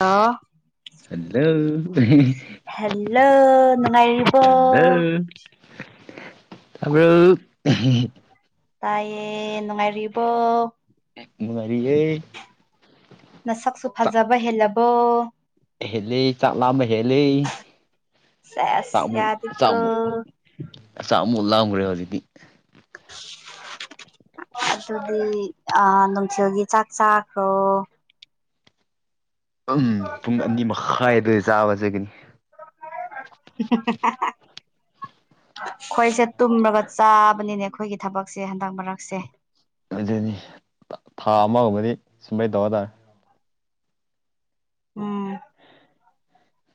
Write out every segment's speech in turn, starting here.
ꯑꯥ hello hello ꯅꯨꯡꯉꯥꯏꯔꯤꯕꯣ ꯇꯥꯕꯔꯣ ꯇꯥꯏꯌꯦ ꯅꯨꯡꯉꯥꯏꯔꯤꯕꯣ ꯎꯝ ꯅꯨꯡꯉꯥꯏꯔꯤꯌꯦ ꯅꯥꯁꯛꯁꯨ ꯆꯥꯛ ꯐꯖꯕ ꯍꯦꯜꯂꯕꯣ ꯍꯦꯜꯂꯦ ꯆꯥꯛ ꯂꯥꯝꯕ ꯍꯦꯜꯂꯦ ꯁꯦꯁ ꯆꯥꯛꯃꯨꯛ ꯌꯥꯗꯦꯀꯣ ꯆꯥꯛꯃꯨꯛ ꯆꯥꯛ ꯑꯃꯨꯛ ꯂꯥꯝꯒ꯭ꯔꯦ ꯍꯧꯖꯤꯛꯇꯤ ꯑꯗꯨꯗꯤ ꯑꯥ ꯅꯨꯡꯊꯤꯜꯒꯤ ꯆꯥꯛ ꯆꯥꯈ꯭ꯔꯣ ꯎꯝ ꯄꯨꯡ ꯑꯅꯤ ꯃꯈꯥꯏꯗ ꯆꯥꯕꯖꯥꯒꯅꯤ ꯑꯩꯈꯣꯏꯁꯦ ꯇꯨꯝꯔꯒ ꯆꯥꯕꯅꯤꯅꯦ ꯑꯩꯈꯣꯏꯒꯤ ꯊꯥꯕꯛꯁꯦ ꯍꯟꯗꯛ ꯃꯥꯔꯛꯁꯦ ꯑꯗꯨꯅꯤ ꯊꯥ ꯑꯃꯒꯨꯝꯕꯗꯤ ꯁꯨꯃꯥꯏꯅ ꯇꯧꯔ ꯇꯥꯔꯦ ꯎꯝ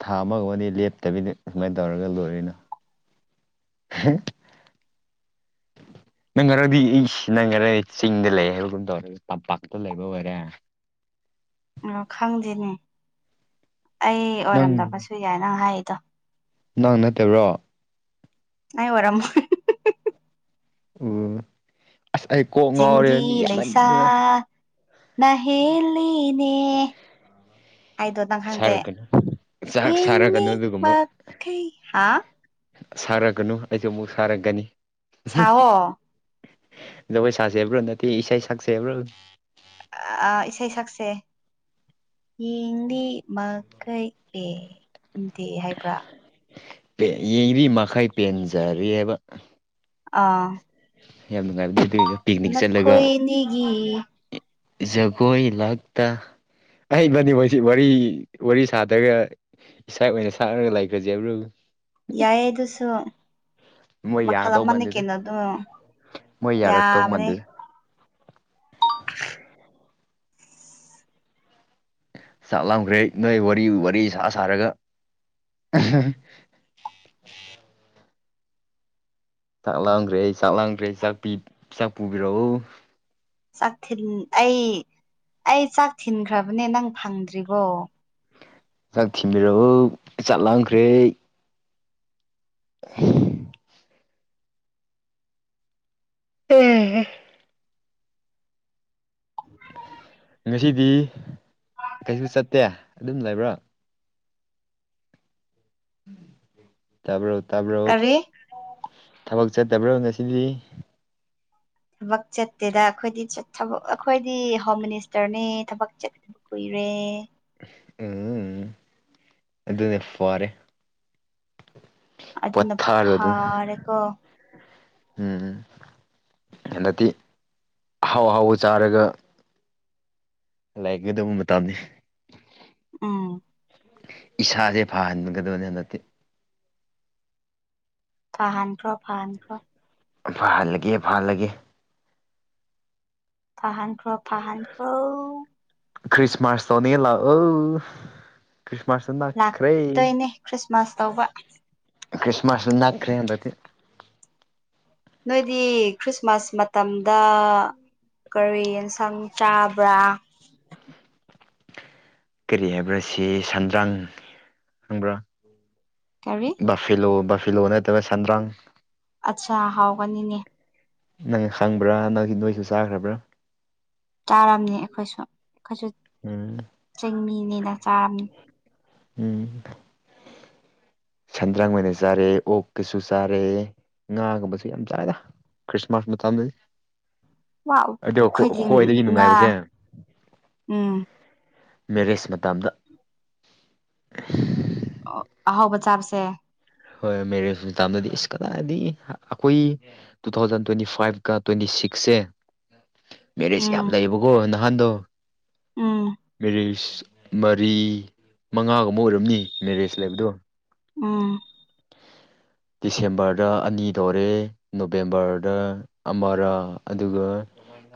ꯊꯥ ꯑꯃꯒꯨꯝꯕꯗꯤ ꯂꯦꯞꯇꯕꯤꯗ ꯁꯨꯃꯥꯏꯅ ꯇꯧꯔꯒ ꯂꯣꯏꯔꯦꯅꯥ ꯍꯥ [unintelligible] ꯅꯪ ꯉꯔꯗꯤ ꯏꯁ ꯅꯪ ꯉꯔ ꯆꯤꯡꯗ ꯂꯩ ꯍꯥꯏꯕꯒꯨꯝ ꯇꯧꯔꯒ ꯇꯝꯄꯥꯛꯇ ꯂꯩꯕ ꯑꯣꯏꯔꯦ ꯅꯣ ꯈꯪꯗꯦꯅꯦ ꯑꯩ ꯅꯪ ꯑꯣꯏꯔꯝꯗꯕꯁꯨ ꯌꯥꯏ ꯅꯪ ꯍꯥꯏꯔꯤꯗꯣ ꯅꯪ ꯅꯠꯇꯥꯕ꯭ꯔꯣ ꯑꯩ ꯑꯣꯏꯔꯝꯃꯣꯏ ꯎ ꯑꯁ ꯑꯩ ꯀꯣꯛ ꯉꯥꯎꯔꯦ ꯃꯤ ꯆꯤꯡꯒꯤ ꯌꯥꯝꯃꯟꯗꯅ ꯅꯥꯍꯦꯜꯂꯤꯅꯦ ꯑꯩꯗꯣ ꯅꯪ ꯍꯪꯗꯦ ꯁꯥꯔꯛꯀꯅꯨ ꯆꯥꯛ ꯁꯥꯔꯛꯀꯅꯨ ꯌꯦꯡꯅꯤꯡ ꯃꯈꯩ ꯍꯥ ꯁꯥꯔꯒꯅꯨ ꯑꯩꯁꯨ ꯑꯃꯨꯛ ꯁꯥꯔꯒꯅꯤ ꯁꯥꯑꯣ ꯖꯒꯣꯏ ꯁꯥꯁꯦ ꯍꯥꯏꯕ꯭ꯔꯣ ꯅꯠꯇꯦ ꯏꯁꯩ ꯁꯛꯁꯦ ꯍꯥꯏꯕ꯭ꯔꯣ ꯑꯥ ꯏꯁꯩ ꯁꯛꯁꯦ ꯌꯦꯡꯂꯤ ꯃꯈꯩ ꯄꯦꯟꯗꯦ ꯍꯥꯏꯕ꯭ꯔꯥ ꯄꯦ ꯌꯦꯡꯔꯤ ꯃꯈꯩ ꯄꯦꯟꯖꯔꯦ ꯕꯥ ꯑꯥ ꯌꯥꯝ ꯅꯨꯡꯉꯥꯏꯕꯅꯦ ꯑꯗꯨꯏꯗꯣ ꯄꯤꯛꯅꯤꯛ ꯆꯠꯂꯥꯒ ꯅꯤꯒꯤ ꯖꯒꯣꯏ ꯂꯥꯛꯇ ꯑꯩꯅꯅꯤ ꯃꯣꯏꯁꯤ ꯋꯥꯔꯤ ꯋꯥꯔꯤ ꯁꯥꯗꯔꯒ ꯏꯁꯩ ꯑꯣꯏꯅ ꯁꯛꯔꯒ ꯂꯩꯈ꯭ꯔꯁꯦꯕ ꯌꯥꯏ ꯗꯨꯁꯨ ꯃꯣꯏ ꯃꯈꯜ ꯌꯥꯒꯗꯧ ꯑꯃꯅꯦ ꯃꯥꯟꯗꯦꯗ ꯀꯦꯅꯣꯗꯨ ꯃꯣꯏ ꯌꯥꯔꯛꯇꯧ ꯌꯥꯕꯅꯦ ꯃꯥꯟꯗꯦꯗ ꯆꯥꯛꯂꯝꯈ꯭ꯔꯦ ꯅꯣꯏ ꯋꯥꯔꯤ ꯋꯥꯔꯤ ꯁꯥ ꯁꯥꯔꯒ ꯆꯥꯛ ꯂꯥꯡꯈ꯭ꯔꯦ ꯆꯥꯛ ꯂꯥꯡꯈ꯭ꯔꯦ ꯆꯥꯛ ꯆꯥꯛ ꯄꯨꯕꯤꯔꯛꯎ ꯆꯥꯛ ꯊꯤꯟ ꯑꯩ ꯑꯩ ꯆꯥꯛ ꯊꯤꯟꯈ꯭ꯔꯕꯅꯦ ꯅꯪ ꯐꯪꯗ꯭ꯔꯤꯕꯣ ꯆꯥꯛ ꯊꯤꯕꯤꯔꯑꯣ ꯆꯥꯛ ꯂꯥꯝꯈ꯭ꯔꯦ [unintelligible] ꯎꯝ ꯉꯁꯤꯗꯤ ꯀꯩꯁꯨ ꯆꯠꯇꯦ ꯑꯗꯨꯝ ꯂꯩꯕ꯭ꯔꯣ ꯇꯥꯕ꯭ꯔꯣ ꯇꯥꯕ꯭ꯔꯣ ꯀꯔꯤ ꯊꯕꯛ ꯆꯠꯇꯕ꯭ꯔꯣ ꯉꯁꯤꯗꯤ ꯊꯕꯛ ꯆꯠꯇꯦꯗ ꯑꯩꯈꯣꯏꯗꯤ ꯑꯩꯈꯣꯏꯗꯤ ꯍꯣꯝ ꯃꯤꯅꯤꯁꯇꯔꯅꯦ ꯊꯕꯛ ꯀꯨꯏꯔꯦ ꯎꯝ ꯑꯗꯨꯅꯦ ꯐꯔꯦ ꯑꯗꯨꯅ ꯄꯣꯊꯥꯔꯣ ꯐꯥꯔꯦꯀꯣ ꯎꯝ ꯎꯝ ꯍꯟꯗꯛꯇꯤ ꯑꯍꯥꯎ ꯍꯥꯎꯕ ꯆꯥꯔꯒ ꯂꯩꯒꯗꯧ ꯃꯇꯝꯅꯤ ꯎꯝ ꯏꯁꯥꯁꯦ ꯐꯍꯟꯒꯗꯕꯅꯦ ꯍꯟꯗꯛꯇꯤ ꯐꯍꯥꯟ ꯈ꯭ꯔꯣ ꯐꯍꯥꯟ ꯈ꯭ꯔꯣ ꯐꯍꯜꯂꯒꯦ ꯐꯍꯜꯂꯒꯦ ꯐꯍꯥꯟꯈ꯭ꯔꯣ ꯐꯍꯟꯈ꯭ꯔꯣ ꯈ꯭ꯔꯤꯁꯃꯥꯁ ꯇꯧꯅꯤꯌꯦ ꯂꯥꯛꯑꯣ ꯈ꯭ꯔꯤꯁꯃꯥꯁꯇꯅ ꯂꯥꯛꯇꯣꯏꯅꯦ ꯈ꯭ꯔꯤꯁꯃꯥꯁ ꯇꯧꯕ ꯈ꯭ꯔꯤꯁꯃꯥꯁꯁꯨ ꯅꯥꯛꯈ꯭ꯔꯦ ꯍꯟꯗꯛꯇꯤ ꯅꯣꯏꯗꯤ ꯈ꯭ꯔꯤꯁꯃꯥꯁ ꯃꯇꯝꯗ ꯀꯔꯤ ꯑꯦꯟꯁꯥꯡ ꯆꯥꯕ꯭ꯔꯥ ꯀꯔꯤ ꯍꯥꯏꯕ꯭ꯔꯥ ꯁꯤ ꯁꯟꯗ꯭ꯔꯥꯡ ꯈꯪꯕ꯭ꯔꯥ ꯀꯔꯤ ꯕꯥꯐꯦꯂꯣ ꯕꯥꯐꯦꯂꯣ ꯅꯠꯇꯕ ꯁꯟꯗ꯭ꯔꯥꯡ ꯑꯠꯆꯥ ꯍꯥꯎꯒꯅꯤꯅꯦ ꯅꯪ ꯈꯪꯕ꯭ꯔꯥ ꯅꯪꯒꯤ ꯅꯣꯏꯁꯨ ꯆꯥꯈ꯭ꯔꯕ꯭ꯔꯥ ꯆꯥꯔꯝꯅꯤ ꯑꯩꯈꯣꯏꯁꯨ ꯑꯩꯈꯣꯏꯁꯨ ꯎꯝ ꯆꯤꯡꯃꯤꯅꯤꯅ ꯆꯥꯔꯝꯅꯤ ꯎꯝ ꯁꯟꯗ꯭ꯔꯪ ꯑꯣꯏꯅ ꯆꯥꯔꯦ ꯑꯣꯛꯀꯁꯨ ꯆꯥꯔꯦ ꯉꯥꯒꯨꯝꯕꯁꯨ ꯌꯥꯝ ꯆꯥꯏꯗ ꯈ꯭ꯔꯤꯁꯃꯥꯁ ꯃꯇꯝꯗꯅꯤ ꯋꯥꯎ ꯑꯗꯣ ꯑꯩꯈꯣꯏꯗꯤ ꯈꯣꯏꯗꯒꯤ ꯉꯥ ꯅꯨꯡꯉꯥꯏꯕꯁꯦ ꯎꯝ ꯃꯦꯔꯦꯖ ꯃꯇꯝꯗ ꯑꯣ ꯑꯍꯥꯎꯕ ꯆꯥꯕꯁꯦ ꯍꯣꯏ ꯃꯦꯔꯦꯖ ꯃꯇꯝꯗꯗꯤ ꯏꯁ ꯀꯗꯥꯏꯗꯤ ꯑꯩꯈꯣꯏ ꯇꯨ ꯊꯥꯎꯖꯟ ꯇ꯭ꯋꯦꯟꯇꯤ ꯐꯥꯏꯚꯀ ꯇ꯭ꯋꯦꯟꯇꯤ ꯁꯤꯛꯁꯦ [inaudible] ꯃꯦꯔꯤꯖ ꯌꯥꯝ ꯂꯩꯌꯦꯕꯀꯣ ꯅꯍꯥꯟꯗꯣ ꯎꯝ ꯃꯦꯔꯤꯖ ꯃꯔꯤ ꯃꯉꯥꯒꯨꯝꯕ ꯑꯣꯏꯔꯝꯅꯤ ꯃꯦꯔꯦꯖ ꯂꯩꯕꯗꯣ ꯎꯝ ꯗꯤꯁꯦꯝꯕꯔꯗ ꯑꯅꯤ ꯇꯧꯔꯦ ꯅꯣꯕꯦꯝꯕꯔꯗ ꯑꯃꯔꯥ ꯑꯗꯨꯒ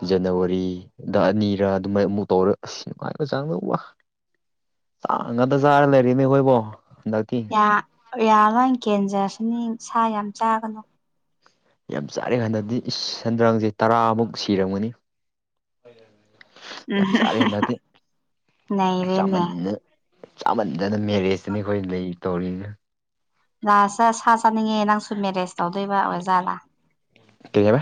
ꯖꯅꯋꯥꯔꯤꯗ ꯑꯅꯤꯔ ꯑꯗꯨꯃꯥꯏꯅ ꯑꯃꯨꯛ ꯇꯧꯔ ꯑꯁ ꯅꯨꯡꯉꯥꯏꯕ ꯆꯥꯡꯗ ꯋꯥ ꯆꯥꯡ ꯉꯥꯛꯇ ꯆꯥꯔ ꯂꯩꯔꯦꯅꯦ ꯑꯩꯈꯣꯏꯕꯣ ꯍꯟꯗꯛꯀꯤ ꯌꯥ ꯌꯥ ꯂꯣꯏ ꯀꯦꯟꯖꯔꯁꯅꯤ ꯁꯥ ꯌꯥꯝ ꯆꯥꯒꯅꯨ ꯌꯥꯝ ꯆꯥꯏ ꯍꯟꯗꯗꯤ ꯁꯦꯟꯗ꯭ꯔꯥꯡꯁꯦ ꯇꯔꯥꯃꯨꯛ ꯁꯤꯔꯝꯒꯅꯤ ꯌꯥꯝ ꯎꯝ ꯆꯥꯔꯦ ꯅꯩꯔꯦꯅꯦ ꯆꯥꯃꯟꯅ ꯆꯥꯃꯟꯗꯅ ꯃꯦꯔꯦꯖꯇꯅꯤ ꯑꯩꯈꯣꯏ ꯂꯩ ꯇꯧꯔꯤꯅ ꯅꯥꯁꯥ ꯁꯥ ꯆꯥꯅꯤꯡꯉꯦ ꯅꯪꯁꯨ ꯃꯦꯔꯦꯖ ꯇꯧꯗꯣꯏꯕ ꯑꯣꯏꯖꯥꯠꯂꯥ ꯀꯩ [unintelligible]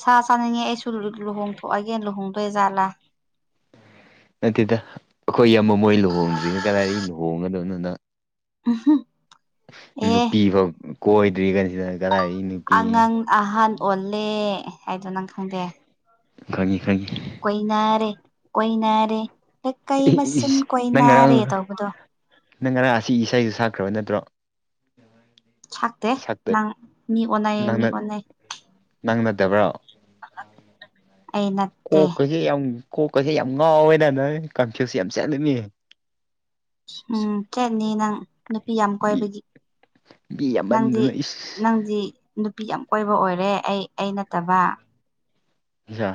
ꯁꯥ ꯆꯥꯅꯤꯡꯉꯦ ꯑꯩꯁꯨ ꯂꯨꯍꯣꯡꯊꯣꯛꯑꯒꯦꯅ ꯂꯨꯍꯣꯡꯗꯣꯏꯖꯥꯠꯂꯥ ꯅꯠꯇꯦꯗ ꯑꯈꯣꯏ ꯌꯥꯝꯃꯃꯣꯏ ꯂꯨꯍꯣꯡꯗ꯭ꯔꯤꯅ ꯀꯗꯥꯏꯗꯒꯤ ꯂꯨꯍꯣꯡꯒꯗꯣꯏꯅꯣꯅ [unintelligible] ꯑꯦ ꯅꯨꯄꯤꯐꯥꯎ ꯀꯣꯏꯗ꯭ꯔꯤꯀꯥꯟꯁꯤꯗ ꯀꯗꯥꯏ [unintelligible] ꯑꯉꯥꯡ ꯑꯍꯟ ꯑꯣꯜꯂꯦ ꯍꯥꯏꯗꯣ ꯅꯪ ꯈꯪꯗꯦ ꯈꯪꯉꯤ ꯈꯪꯉꯤ ꯀꯣꯏꯅꯔꯦ ꯀꯣꯏꯅꯔꯦ ꯂꯩꯀꯥꯏ ꯃꯁꯦꯟ ꯏꯁ ꯅꯪ ꯉꯔꯥꯡ ꯀꯣꯏꯅꯔꯦ ꯇꯧꯕꯗꯣ ꯅꯪ ꯉꯔꯥꯡ ꯑꯁꯤ ꯏꯁꯩꯁꯦ ꯁꯛꯈ꯭ꯔꯕ ꯅꯠꯇ꯭ꯔꯣ ꯁꯛꯇꯦ ꯁꯛꯇ ꯅꯪ ꯃꯤ ꯑꯣꯟꯅꯩꯌꯦ ꯃꯤ ꯅꯪꯅ ꯑꯣꯟꯅꯩ ꯅꯪ ꯅꯇꯕ꯭ꯔꯣ ꯑꯩ ꯅꯠ ꯀꯣꯛꯀꯁꯦ ꯌꯥꯝ ꯀꯣꯛꯀꯁꯦ ꯌꯥꯝ ꯉꯥꯎꯋꯦꯅ ꯅꯣꯏ ꯀꯟꯐ꯭ꯌꯨꯁ ꯌꯥꯝ ꯆꯠꯂꯅꯤ ꯎꯝ ꯆꯠꯅꯤ ꯅꯪ ꯅꯨꯄꯤ ꯌꯥꯝ ꯀꯣꯏꯕꯒꯤ ꯃꯤ ꯅꯪꯗꯤ ꯌꯥꯝꯃꯟꯗꯅ ꯏꯁ ꯅꯪꯗꯤ ꯅꯨꯄꯤ ꯌꯥꯝ ꯀꯣꯏꯕ ꯑꯣꯏꯔꯦ ꯑꯩ ꯑꯩ ꯅꯠꯇꯕ ꯌꯥ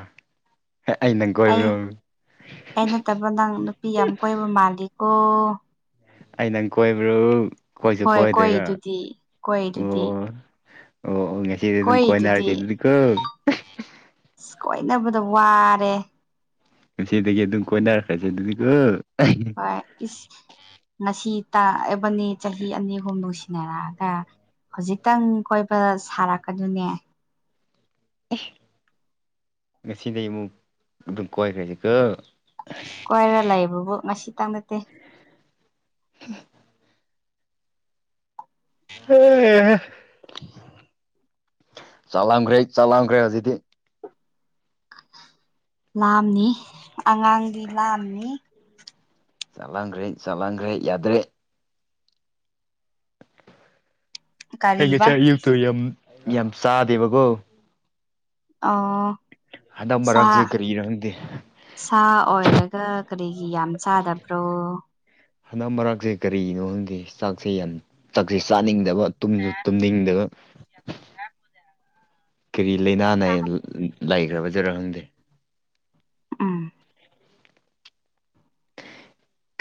ꯑꯩ ꯅꯪ ꯑꯩ ꯀꯣꯏꯕ꯭ꯔꯣ ꯑꯩ ꯅꯠꯇꯕ ꯅꯪ ꯅꯨꯄꯤ ꯌꯥꯝ ꯀꯣꯏꯕ ꯃꯥꯜꯂꯤꯀꯣ ꯑꯩ ꯅꯪ ꯀꯣꯏꯕ꯭ꯔꯣ ꯀꯣꯏꯁꯨ ꯍꯣꯏ ꯀꯣꯏꯗ꯭ꯔꯒ ꯀꯣꯏꯗꯨꯗꯤ ꯀꯣꯏꯗꯨꯗꯤ ꯑꯣ ꯑꯣ [unintelligible] ꯀꯣꯏꯗꯨꯗꯤ ꯀꯣꯏꯅꯔꯁꯦ ꯑꯗꯨꯗꯤꯀꯣ ꯀꯣꯏꯅꯕꯗ ꯋꯥꯔꯦ ꯉꯁꯤꯗꯒꯤ ꯑꯗꯨꯝ ꯀꯣꯏꯅꯔꯛꯈ꯭ꯔꯁꯦ ꯑꯗꯨꯗꯤꯒꯣ ꯍꯣꯏ ꯏꯁ ꯉꯁꯤ ꯇꯥꯛꯑꯕꯅꯤ ꯆꯍꯤ ꯑꯅꯤ ꯑꯍꯨꯝ ꯅꯨꯡꯁꯤꯅꯔꯛꯑꯒ ꯍꯧꯖꯤꯛꯇꯪ ꯀꯣꯏꯕ ꯁꯥꯔꯛꯀꯅꯨꯅꯦ ꯉꯁꯤꯗꯩ ꯑꯃꯨꯛ ꯑꯗꯨꯝ ꯀꯣꯏꯈ꯭ꯔꯁꯤꯀꯣ ꯀꯣꯏꯔ ꯂꯩꯏꯕꯕꯨ ꯉꯁꯤ ꯇꯪ ꯅꯠꯇꯦ [inaudible] ꯆꯥꯛ ꯂꯥꯝꯒꯔ꯭ꯦ ꯆꯥꯛ ꯂꯥꯝꯒꯔ꯭ꯦ ꯍꯧꯖꯤꯛꯇꯤ ꯂꯥꯝꯅꯤ ꯑꯉꯥꯡꯗꯤ ꯂꯥꯝꯅꯤ ꯆꯠꯂꯟꯒꯔ꯭ꯦ ꯆꯠꯂꯟꯒꯔ꯭ꯦ ꯌꯥꯗ꯭ꯔꯦ ꯑꯩ ꯀꯔꯤꯕ ꯉꯁꯥꯏ ꯌꯨꯛꯇꯨ ꯌꯥꯝ ꯌꯥꯝ ꯆꯥꯗꯦꯕꯒꯣ ꯑꯣ ꯍꯟꯗꯛ ꯁꯥ ꯃꯔꯛꯁꯦ ꯀꯔꯤꯔ ꯈꯪꯗꯦ ꯁꯥ ꯑꯣꯏꯔꯒ ꯀꯔꯤꯒꯤ ꯌꯥꯝ ꯆꯥꯗꯕ꯭ꯔꯣ [unintelligible] ꯃꯔꯛꯁꯦ ꯀꯔꯤꯅꯣ ꯈꯪꯗꯦ ꯆꯥꯛꯁꯦ ꯌꯥꯝ ꯆꯥꯛꯁꯦ ꯆꯥꯅꯤꯡꯗꯕ ꯇꯨꯝꯁꯨ ꯇꯨꯝꯅꯤꯡꯗꯕ ꯀꯔꯤ ꯂꯩꯅ ꯅꯥꯏꯗꯣ ꯂꯩꯈ꯭ꯔꯕꯖꯔ ꯈꯪꯗꯦ ꯎꯝ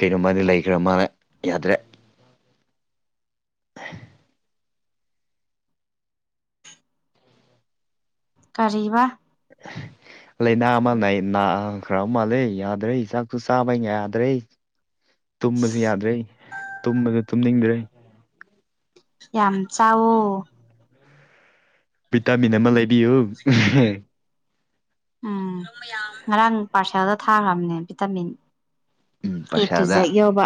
ꯀꯩꯩꯅꯣ ꯃꯥꯗꯤ ꯂꯩꯈ꯭ꯔꯥ ꯃꯥꯅꯦ ꯌꯥꯗ꯭ꯔꯦ [inaudible] ꯀꯔꯤꯕ ꯂꯥꯏꯅꯥ ꯑꯃ ꯂꯩꯅꯥ ꯈ꯭ꯔꯥ ꯃꯥꯜꯂꯦ ꯌꯥꯗ꯭ꯔꯦ ꯆꯥꯛꯁꯨ ꯆꯥꯕ ꯌꯥꯗ꯭ꯔꯦ ꯇꯨꯝꯕꯖꯨ ꯌꯥꯗ꯭ꯔꯦ ꯇꯨꯝꯕꯖꯨ ꯇꯨꯝꯅꯤꯡꯗ꯭ꯔꯦ ꯌꯥꯝ ꯆꯥꯎꯋꯣ ꯚꯤꯇꯥꯃꯤꯟ ꯑꯃ ꯂꯩ ꯖꯤꯛꯇꯥꯅ ꯄꯥꯏꯔꯦ ꯎꯝ [inaudible] ꯉꯔꯥꯡ ꯄꯥꯔꯁꯦꯜꯗ ꯊꯥꯈ꯭ꯔꯥꯕꯅꯦ ꯚꯤꯇꯥꯃꯤꯟ ꯎꯝ ꯑꯦ ꯇꯨ ꯄꯩꯁꯥꯗ ꯖꯦꯛ ꯌꯥꯎꯕ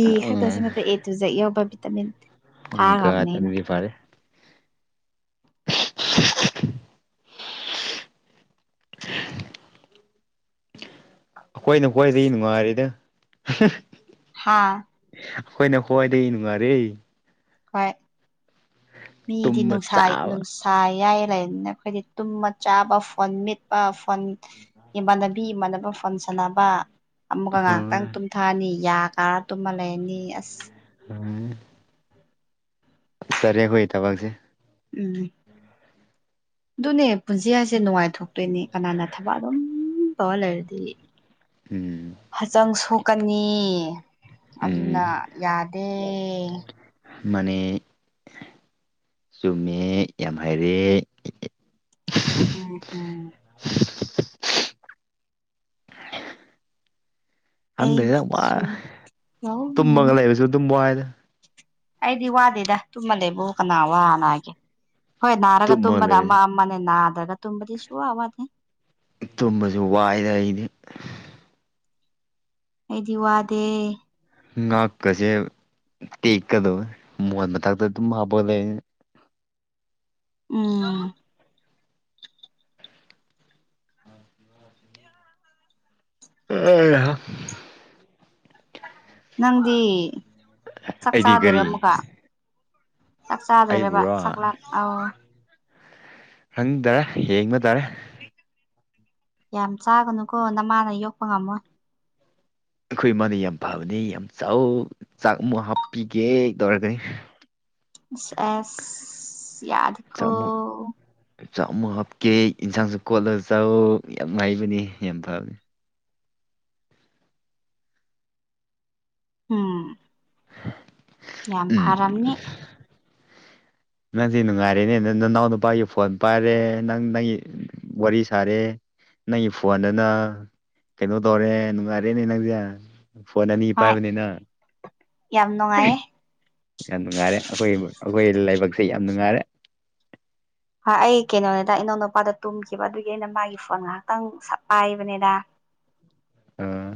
ꯏ ꯈꯛꯇꯥꯁꯨ ꯅꯠꯇꯦ ꯑꯦ ꯇꯨ ꯖꯦꯛ ꯌꯥꯎꯕ ꯚꯤꯇꯥꯃꯤꯟ ꯑꯣ ꯃꯥꯏ ꯒꯣꯠ ꯊꯥꯈ꯭ꯔꯕꯅꯦ ꯑꯩꯅ ꯑꯗꯨꯗꯤ ꯐꯥꯔꯦ [inaudible] ꯑꯈꯣꯏꯅ ꯈꯣꯏꯗꯤ ꯅꯨꯡꯉꯥꯏꯔꯤꯗꯥ ꯍꯥꯥ ꯑꯈꯣꯏꯅ ꯈ꯭ꯋꯥꯏꯗꯥꯒꯤ ꯅꯨꯡꯉꯥꯏꯔꯦ ꯍꯣꯏ ꯃꯤꯗꯤ ꯇꯨꯝꯕ ꯅꯨꯡꯁꯥꯏ ꯆꯥꯕ ꯅꯨꯡꯁ ꯁꯥ ꯌꯥꯏ ꯂꯩꯗꯅ ꯑꯈꯣꯏꯗꯤ ꯇꯨꯝꯃ ꯆꯥꯕ ꯐꯣꯟ ꯃꯤꯠꯄ ꯐꯣꯟ ꯏꯃꯥꯟꯅꯕꯤ ꯏꯃꯥꯟꯅꯕ ꯐꯣꯟ ꯁꯥꯟꯅꯕ ꯑꯃꯨꯛꯀꯥ ꯍꯣꯏ ꯉꯥꯏꯍꯥꯛꯇꯪ ꯇꯨꯝꯊꯥꯑꯅꯤ ꯌꯥ ꯀꯥꯔ ꯇꯨꯝꯃꯥ ꯂꯩꯔꯅꯤ ꯑꯁ ꯎꯝ ꯆꯥꯔꯦ ꯑꯈꯣꯏꯒꯤ ꯊꯕꯛꯁꯦ ꯎꯝ ꯗꯨꯅꯦ ꯄꯨꯟꯁꯤ ꯍꯥꯏꯁꯦ ꯅꯨꯡꯉꯥꯏꯊꯣꯛꯇꯣꯏꯅꯦ ꯀꯅꯥꯅ ꯊꯕꯛ ꯑꯗꯨꯝ ꯇꯧꯔꯥ ꯂꯩꯔꯗꯤ ꯎꯝ ꯍꯆꯥꯡ ꯁꯣꯛꯀꯥꯅꯤ ꯎꯝ ꯃꯥꯅꯦ ꯆꯨꯝꯃꯦ ꯌꯥꯝ ꯍꯩꯔꯦ ꯎꯝ ꯍꯝ ꯈꯪꯗꯦꯗ ꯋꯥꯏ ꯑꯩꯁꯨ ꯌꯥꯥꯎ ꯅꯤ ꯇꯨꯝꯃꯒ ꯂꯩꯕꯁꯨ ꯑꯗꯨꯝ ꯋꯥꯏꯗ ꯑꯩꯗꯤ ꯋꯥꯗꯦꯗ ꯇꯨꯝꯃ ꯂꯩꯕꯕꯨ ꯀꯅꯥ ꯋꯥꯅ ꯍꯥꯏꯒꯦ ꯍꯣꯏ ꯅꯥꯔꯒꯥ ꯇꯨꯝꯃꯒ ꯇꯨꯝꯕꯅ ꯑꯃ ꯂꯩꯕꯁꯨ ꯑꯃꯅꯦ ꯅꯥꯗ꯭ꯔꯥꯒ ꯇꯨꯝꯕꯗꯤ ꯁꯨ ꯋꯥ ꯋꯥꯗꯦ ꯇꯨꯝꯕꯖꯨ ꯋꯥꯏꯗꯥ ꯑꯩꯗꯤ ꯑꯩꯗꯤ ꯋꯥꯗꯦ ꯉꯥꯛꯀꯥꯖꯦ ꯇꯦꯛꯀꯥꯗꯧꯋꯦ ꯃꯣꯟ ꯃꯊꯥꯛꯇꯥ ꯑꯗꯨꯝ ꯍꯥꯞꯄꯒꯥ ꯂꯩ ꯎꯝ ꯑꯦ ꯍꯥ ꯅꯪꯗꯤ ꯆꯥꯛ ꯑꯩꯗꯤ ꯆꯥꯗꯣꯏꯔꯥ ꯀꯔꯤ ꯑꯃꯨꯛꯀꯥ ꯆꯥꯛ ꯆꯥꯗꯣꯏꯔꯥꯕ ꯑꯩꯕꯨꯔꯣ ꯆꯥꯛꯂꯥꯛ ꯑꯥꯎ ꯈꯪꯗꯥꯔꯦ ꯌꯦꯡꯕ ꯇꯥꯔꯦ [inaudible] ꯌꯥꯝ ꯆꯥꯒꯅꯨꯀꯣ ꯅꯃꯥꯅ ꯌꯣꯛꯄ ꯉꯝꯃꯣꯏ ꯑꯈꯣꯏ ꯏꯃꯥꯗꯤ ꯌꯥꯝ ꯐꯕꯅꯤ ꯌꯥꯝ ꯆꯥꯎ ꯆꯥꯛ ꯑꯃꯨꯛ ꯍꯥꯞꯄꯤꯒꯦ ꯇꯧꯔꯒꯥꯅꯤ ꯏꯁ ꯑꯦꯁ ꯌꯥꯗꯦ ꯆꯥꯃꯨꯛ ꯆꯥꯛ ꯑꯃꯨꯛ ꯍꯥꯞꯀꯦ ꯏꯟꯁꯥꯡꯁꯨ ꯀꯣꯠꯂꯒꯥ ꯆꯥꯎ ꯌꯥꯝ ꯉꯥꯏꯕꯅꯤ ꯌꯥꯝ ꯐꯕꯅꯤ ꯎꯝ ꯌꯥꯝ ꯎꯝ ꯐꯥꯔꯝꯅꯤ ꯅꯪꯗꯤ ꯅꯨꯡꯉꯥꯏꯔꯦꯅꯦ ꯅꯅꯥꯎ ꯅꯨꯄꯥꯒꯤ ꯐꯣꯟ ꯄꯥꯏꯔꯦ ꯅꯪ ꯅꯪꯒꯤ ꯋꯥꯔꯤ ꯁꯥꯔꯦ ꯅꯪꯒꯤ ꯐꯣꯟꯗꯅ ꯀꯩꯅꯣ ꯇꯧꯔꯦ ꯅꯨꯡꯉꯥꯏꯔꯦꯅꯦ ꯅꯪꯁꯦ ꯐꯣꯟ ꯑꯅꯤ ꯍꯣꯏ ꯄꯥꯏꯕꯅꯤꯅ ꯌꯥꯝ ꯅꯨꯡꯉꯥꯏꯌꯦ ꯌꯥꯝ ꯅꯨꯡꯉꯥꯏꯔꯦ ꯑꯩꯈꯣꯏꯒꯤ ꯑꯩꯈꯣꯏ ꯂꯥꯏꯕꯛꯁꯦ ꯌꯥꯝ ꯅꯨꯡꯉꯥꯏꯔꯦ ꯍꯣꯏ ꯑꯩ ꯀꯩꯅꯣꯅꯤꯗ ꯏꯅꯥꯎ ꯅꯨꯄꯥꯗꯣ ꯇꯨꯝꯈꯤꯕ ꯑꯗꯨꯒꯤ ꯑꯩꯅ ꯃꯥꯒꯤ ꯐꯣꯟ ꯉꯥꯏꯍꯥꯛꯇꯪ ꯄꯥꯏꯕꯅꯤꯗ ꯑꯥ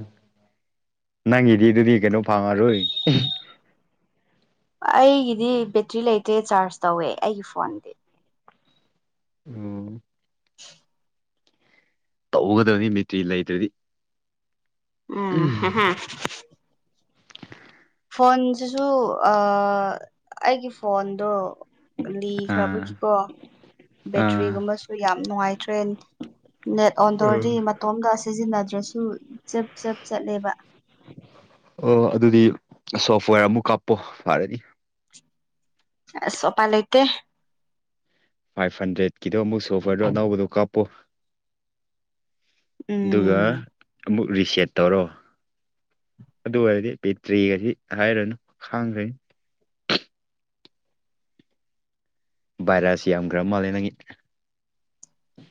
ꯅꯪꯒꯤꯗꯤ ꯑꯗꯨꯗꯤ ꯀꯩꯅꯣ ꯐꯪꯉꯔꯣꯏ ꯑꯩꯒꯤꯗꯤ ꯕꯦꯇ꯭ꯔꯤ ꯂꯩꯇꯦ ꯆꯥꯔꯖ ꯇꯧꯋꯦ ꯑꯩꯒꯤ ꯐꯣꯟꯗꯤ ꯎꯝ [inaudible] ꯇꯧꯒꯗꯕꯅꯤ ꯕꯦꯇ꯭ꯔꯤ ꯂꯩꯇ꯭ꯔꯗꯤ ꯎꯝ [unintelligible] ꯐꯣꯟꯁꯤꯁꯨ ꯑꯩꯒꯤ ꯐꯣꯟꯗꯣ ꯑꯥ ꯂꯤꯈ꯭ꯔꯕꯒꯤꯀꯣ ꯑꯥ ꯕꯦꯇ꯭ꯔꯤꯒꯨꯝꯕꯁꯨ ꯌꯥꯝ ꯅꯨꯡꯉꯥꯏꯇ꯭ꯔꯦ ꯅꯦꯠ ꯑꯣꯟ ꯇꯧꯔꯗꯤ ꯃꯇꯣꯝꯗ ꯁꯤꯖꯤꯟꯅꯗ꯭ꯔꯁꯨ ꯆꯞ ꯆꯞ ꯆꯠꯂꯦꯕ ꯑꯣ ꯑꯗꯨꯗꯤ ꯁꯣꯐꯋꯦꯔ ꯑꯃꯨꯛ ꯀꯥꯞꯄꯣ ꯐꯔꯅꯤ ꯑꯁ ꯎꯄꯥꯏ ꯂꯩꯇꯦ ꯐꯥꯏꯚ ꯍꯟꯗ꯭ꯔꯦꯠꯀꯤꯗꯣ ꯑꯃꯨꯛ ꯁꯣꯐꯋꯦꯔꯗꯣ ꯑꯅꯧꯕꯗꯣ ꯀꯥꯞꯄꯣ ꯑꯗꯨꯒ ꯎꯝ ꯑꯃꯨꯛ ꯔꯤꯁꯦꯠ ꯇꯧꯔꯣ ꯑꯗꯨ ꯑꯣꯏꯔꯗꯤ ꯕꯦꯇ꯭ꯔꯤꯒꯁꯤ ꯍꯥꯏꯔꯅꯨ ꯈꯥꯡꯈ꯭ꯔꯅꯤ ꯚꯥꯏꯔꯁ ꯌꯥꯝꯈ꯭ꯔ ꯃꯥꯜꯂꯦ ꯅꯪꯒꯤ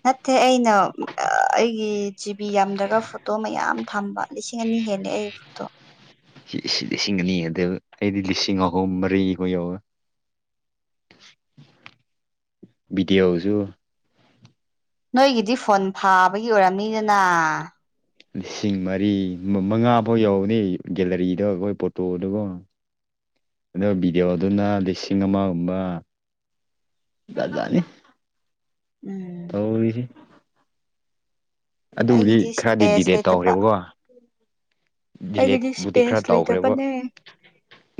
ꯅꯠꯇꯦ ꯑꯩꯅ ꯑꯩꯒꯤ ꯖꯤꯕꯤ ꯌꯥꯝꯗ꯭ꯔꯒ ꯐꯣꯇꯣ ꯃꯌꯥꯝ ꯊꯝꯕ ꯂꯤꯁꯤꯡ ꯑꯅꯤ ꯍꯦꯜꯂꯦ ꯑꯩ ꯐꯣꯠꯇꯣ ꯁꯤ ꯂꯤꯁꯤꯡ ꯑꯅꯤ ꯍꯦꯟꯗꯦꯕ ꯑꯩꯗꯤ ꯂꯤꯁꯤꯡ ꯑꯍꯨꯝ ꯃꯔꯤꯈꯣꯏ ꯌꯧꯔꯝꯒ [inaudible] ꯚꯤꯗꯤꯌꯣꯁꯨꯨ ꯅꯣꯏꯒꯤꯗꯤ ꯐꯣꯟ ꯐꯥꯕꯒꯤ ꯑꯣꯏꯔꯝꯅꯤꯗꯅ ꯂꯤꯁꯤꯡ ꯃꯔꯤ ꯃꯉꯥ ꯐꯥꯎ ꯌꯧꯕꯅꯤ ꯒꯦꯂꯔꯤꯗ ꯑꯩꯈꯣꯏ ꯐꯣꯇꯣꯗꯀꯣ [inaudible] ꯑꯗꯨ ꯚꯗꯤꯑꯣꯗꯨꯅ ꯂꯤꯁꯤꯡ ꯑꯃꯒꯨꯝꯕ ꯖꯥꯠ ꯖꯥꯠꯅꯤ ꯎꯝ ꯑꯣꯏꯔꯤꯁꯤ ꯑꯗꯨꯕꯨꯗꯤ ꯑꯩꯒꯤꯗꯤ ꯈꯔꯗꯤ ꯏꯁꯄꯦꯁ ꯗꯤꯂꯦꯠ ꯂꯩꯇꯕ ꯇꯧꯈ꯭ꯔꯦꯕꯀꯣ ꯑꯩꯒꯤꯗꯤ ꯗꯤꯂꯦꯠꯕꯨꯗꯤ ꯈꯔ ꯏꯁꯄꯦꯁ ꯇꯧꯈ꯭ꯔꯦꯕ ꯂꯩꯇꯕꯅꯦ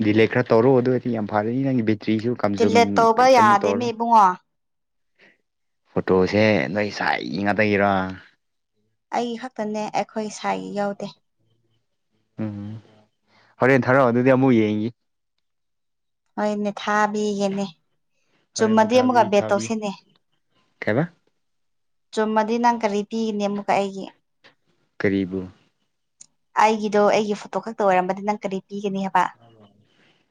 ꯗꯤꯂꯦꯠ ꯈꯔ ꯇꯧꯔꯣ ꯑꯗꯨ ꯑꯣꯏꯔꯗꯤ ꯌꯥꯝ ꯐꯔꯅꯤ ꯅꯪꯒꯤ ꯕꯦꯇ꯭ꯔꯤꯁꯨ ꯀꯝꯖꯨꯝ ꯀꯩꯃꯨꯛ ꯇꯧꯔꯔꯣꯏ ꯑꯣ ꯐꯣꯇꯣꯁꯦ ꯅꯣꯏ ꯁꯥꯏꯒꯤ ꯉꯥꯛꯇꯒꯤꯔ ꯑꯩ ꯈꯛꯇꯅꯦ ꯑꯩꯈꯣꯏ ꯁꯥꯏꯒꯤ ꯌꯥꯎꯗꯦ ꯎꯝ ꯍꯣꯔꯦꯟ ꯊꯔꯛꯑꯣ ꯑꯗꯨꯗꯤ ꯑꯃꯨꯛ ꯌꯦꯡꯏ ꯍꯣꯏꯅꯦ ꯊꯥꯕꯤꯒꯦꯅꯦ ꯍꯣꯔꯦꯟ ꯑꯃꯨꯛ ꯆꯨꯝꯃꯗꯤ ꯊꯥꯕꯤ ꯑꯃꯨꯛꯀ ꯕꯦꯠ ꯊꯥꯕꯤꯌꯨ ꯇꯧꯁꯤꯅꯦ ꯀꯩꯕ ꯆꯨꯝꯃꯗꯤ ꯅꯪ ꯀꯔꯤ ꯄꯤꯒꯅꯤ ꯑꯃꯨꯛꯀ ꯑꯩꯒꯤ ꯀꯔꯤꯕꯨ ꯑꯩꯒꯤꯗꯣ ꯑꯩꯒꯤ ꯐꯣꯇꯣ ꯈꯛꯇ ꯑꯣꯏꯔꯝꯕꯗꯤ ꯅꯪ ꯀꯔꯤ ꯄꯤꯒꯅꯤ ꯍꯥꯏꯕ